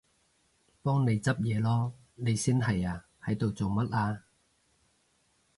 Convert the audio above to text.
幫你執嘢囉！你先係啊，喺度做乜啊？